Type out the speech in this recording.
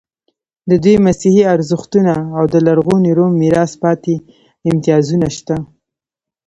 د دوی مسیحي ارزښتونه او د لرغوني روم میراث پاتې امتیازونه شته.